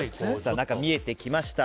中、見えてきました。